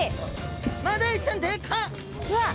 マダイちゃんでかっ！